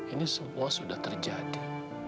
ini semua sudah terjadi